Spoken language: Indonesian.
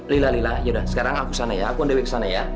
lila lila yaudah sekarang aku sana ya aku on dewi ke sana ya